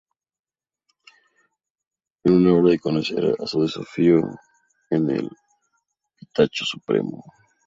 Es hora de conocer a su desafío en el Pistacho Supremo"".